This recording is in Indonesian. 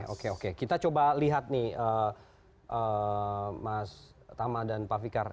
oke oke kita coba lihat nih mas tama dan pak fikar